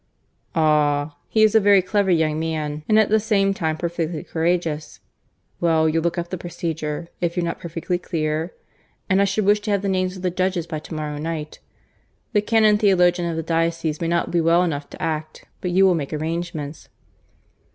"Ah! He is a very clever young man, and at the name time perfectly courageous. ... Well, you'll look up the procedure, if you're not perfectly clear? And I should wish to have the names of the judges by tomorrow night. The Canon Theologian of the diocese may not be well enough to act. But you will make arrangements."